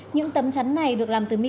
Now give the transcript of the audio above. những tấm chắn này được làm từ mỹ